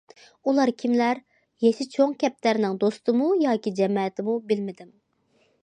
ئۇلار كىملەر؟ يېشى چوڭ كەپتەرنىڭ دوستىمۇ ياكى جەمەتىمۇ بىلمىدىم.